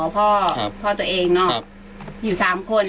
พ่อตัวเองเนาะอยู่ทั้ง๓คน